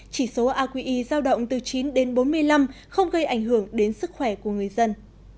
chỉ số aqi giao động từ chín đến bốn mươi năm không gây ảnh hưởng đến sức khỏe của người dân